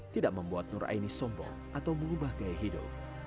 tidak membuat nur aini sombong atau mengubah gaya hidup